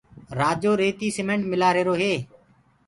رآجو ريتي سيمٽ ملوآهيرو هي